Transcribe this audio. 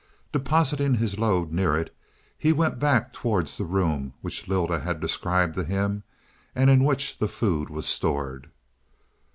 Depositing his load near it, he went back towards the room which Lylda had described to him, and in which the food was stored.